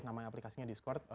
namanya aplikasinya discord